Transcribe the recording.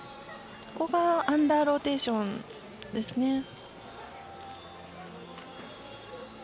ここがアンダーローテーションですね。